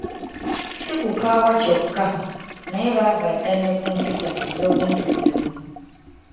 Si kukaawa kyokka naye baava dda ne ku mpisa ez’obuntubulamu.